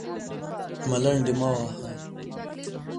_ملنډې مه وهه!